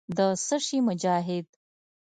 د څه شي مجاهد.